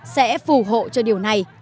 sẽ phù hộ cho điều này